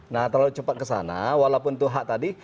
nah terlalu cepat ke sana walaupun itu hak tadi